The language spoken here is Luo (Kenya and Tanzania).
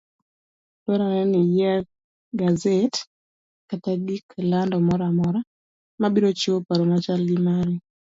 Dwarore ni iyier gaset kata gik lando moramora mabiro chiwo paro machal gi mari.